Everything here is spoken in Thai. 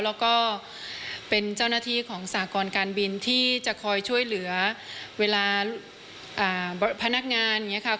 แล้วก็เป็นเจ้าหน้าที่ของสากรการบินที่จะคอยช่วยเหลือเวลาพนักงานอย่างนี้ค่ะ